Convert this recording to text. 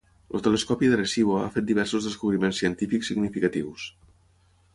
El telescopi d'Arecibo ha fet diversos descobriments científics significatius.